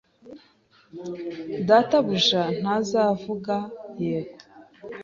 Databuja ntazavuga 'yego'.